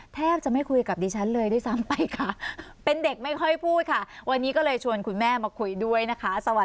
แทบจะไม่คุยกับดิฉันเลยด้วยซ้ำไปค่ะเป็นเด็กไม่ค่อยพูดค่ะ